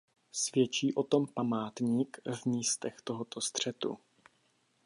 Svědčí o tom památník v místech tohoto střetu.